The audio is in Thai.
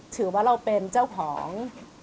ถือว่าเราเป็นเจ้าของ